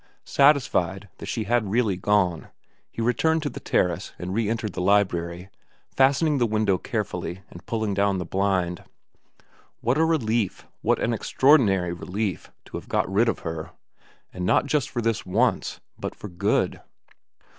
Satisfied that she had really gone, he returned to the terrace and re entered the library, fastening the window carefully and pulling down the blind. What a relief, what an extraordinary relief, to have got rid of her ; and not just for this once, but for good.